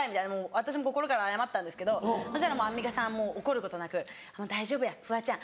私も心から謝ったんですけどそしたらアンミカさん怒ることなく「大丈夫やフワちゃん。